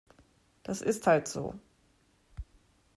Das ist halt so.